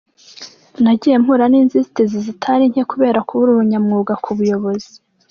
Nagiye mpura n’inzitizi zitari nke kubera kubura ubunyamwuga ku buyobozi.